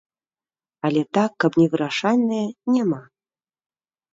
Але так, каб невырашальныя, няма.